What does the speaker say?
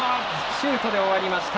シュートで終わりました。